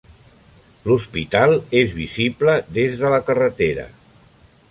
L'hospital és visible des de la carretera.